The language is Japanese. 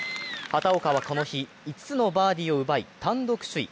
畑岡はこの日、５つのバーディーを奪い単独首位。